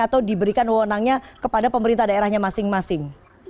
atau diberikan wawonannya kepada pemerintah daerahnya masing masing